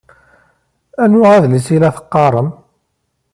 Anwa adlis i la teqqaṛem?